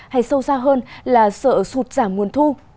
hay sâu xa hơn là sợ sụt giảm nguồn thu